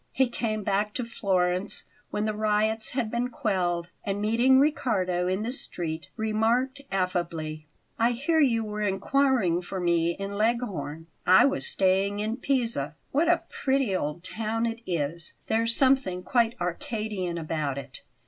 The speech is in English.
He came back to Florence when the riots had been quelled, and, meeting Riccardo in the street, remarked affably: "I hear you were inquiring for me in Leghorn; I was staying in Pisa. What a pretty old town it is! There's something quite Arcadian about it."